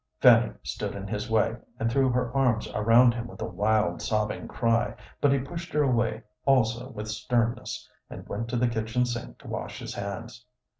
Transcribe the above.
Fanny stood in his way, and threw her arms around him with a wild, sobbing cry, but he pushed her away also with sternness, and went to the kitchen sink to wash his hands.